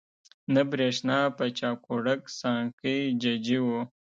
نه برېښنا په چاقوړک، سانکۍ ججي وو